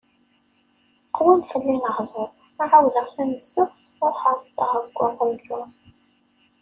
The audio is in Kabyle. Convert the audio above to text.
Qwan fell-i lehḍur, ɛawdeɣ tamezduɣt, ruḥeɣ zedɣeɣ deg uɣenǧur.